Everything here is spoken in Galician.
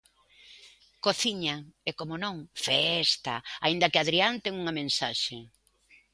Cociña e como non, festa, aínda que Adrián ten unha mensaxe...